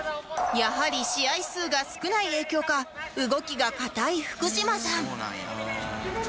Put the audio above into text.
やはり試合数が少ない影響か動きが硬い福島さん